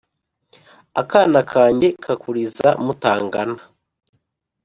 Akana kanjye kakuriza mutangana